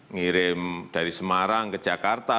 ngirim dari semarang ke jakarta